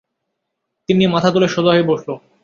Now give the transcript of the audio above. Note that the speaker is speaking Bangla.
তিন্নি মাথা তুলে সোজা হয়ে বসল।